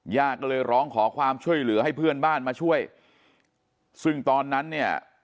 ญาติก็เลยร้องขอความช่วยเหลือให้เพื่อนบ้านมาช่วยซึ่งตอนนั้นเนี่ย